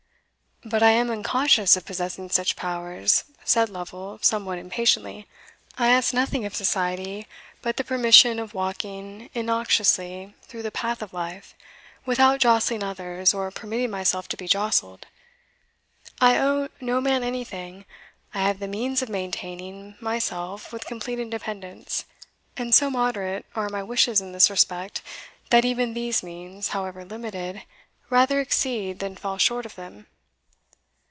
"But I am unconscious of possessing such powers," said Lovel, somewhat impatiently. "I ask nothing of society but the permission of walking innoxiously through the path of life, without jostling others, or permitting myself to be jostled. I owe no man anything I have the means of maintaining, myself with complete independence; and so moderate are my wishes in this respect, that even these means, however limited, rather exceed than fall short of them."